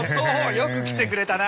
よく来てくれたな！